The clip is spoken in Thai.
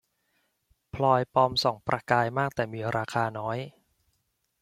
พลอยปลอมส่องประกายมากแต่มีราคาน้อย